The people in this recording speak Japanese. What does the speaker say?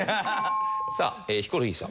さあヒコロヒーさん。